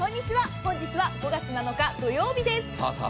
本日は５月７日土曜日です。